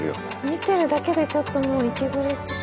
見てるだけでちょっともう息苦しく。